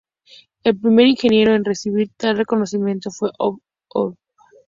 El primero ingeniero en recibir tal reconocimiento fue Ove Arup.